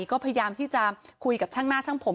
ก็พยายามที่จะคุยกับช่างหน้าช่างผม